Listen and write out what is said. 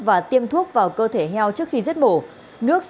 và tiêm thuốc vào cơ thể heo trước khi giết mổ